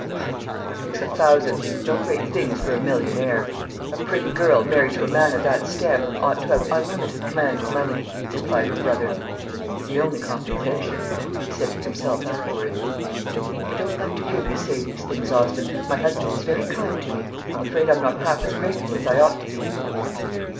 "Humph! that makes a thousand no great things for a millionaire. A pretty girl, married to a man of that stamp, ought to have unlimited command of money," replied her brother. "It's the only compensation," he said to himself afterwards. "I don't like to hear you say these things, Austin. My husband is very kind to me. I'm afraid I'm not half as grateful as I ought to be."